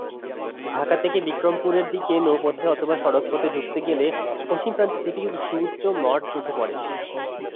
ঢাকা থেকে বিক্রমপুরের দিকে নৌপথে অথবা সড়কপথে ঢুকতে গেলে পশ্চিম প্রান্তে দুটি সুউচ্চ মঠ চোখে পড়ে।